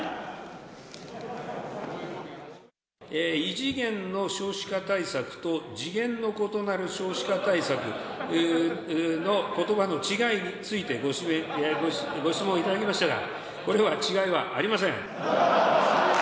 異次元の少子化対策と次元の異なる少子化対策のことばの違いについてご質問頂きましたが、これは違いはありません。